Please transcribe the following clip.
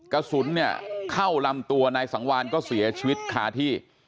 กระสุนเนี่ยเข้าลำตัวนายสังวานก็เสียชีวิตคาที่